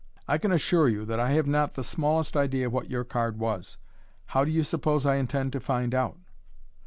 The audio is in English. I can assure you that I have not the smallest tdra what your card was. How do you suppose I intend to find out